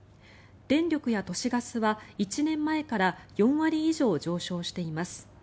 電力や都市ガスは１年前から４割以上上昇しています。